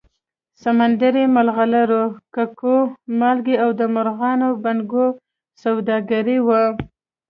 سمندري مرغلرو، ککو، مالګې او د مرغانو بڼکو سوداګري وه